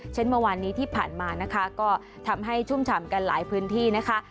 เมื่อวานนี้ที่ผ่านมานะคะก็ทำให้ชุ่มฉ่ำกันหลายพื้นที่นะคะ